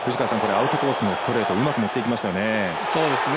アウトコースのストレートをうまく持っていきましたよね。